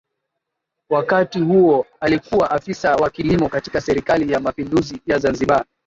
Wakati huo alikuwa afisa wa Kilimo katika serikali ya mapinduzi ya Zanzibar